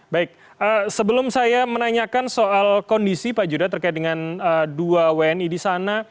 baik sebelum saya menanyakan soal kondisi pak judah terkait dengan dua wni di sana